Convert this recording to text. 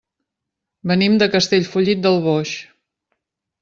Venim de Castellfollit del Boix.